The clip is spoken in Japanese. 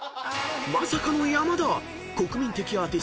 ［まさかの山田］